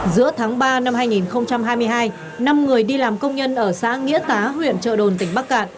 giữa tháng ba năm hai nghìn hai mươi hai năm người đi làm công nhân ở xã nghĩa tá huyện trợ đồn tỉnh bắc cạn